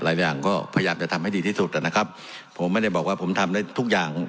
หลายอย่างก็พยายามจะทำให้ดีที่สุดนะครับผมไม่ได้บอกว่าผมทำได้ทุกอย่าง